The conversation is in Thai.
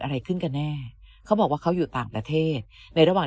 อะไรขึ้นกันแน่เขาบอกว่าเขาอยู่ต่างประเทศในระหว่าง